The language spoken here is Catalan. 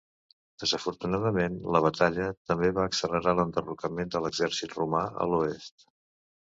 Desafortunadament, la batalla també va accelerar l'enderrocament de l'exèrcit romà a l'oest.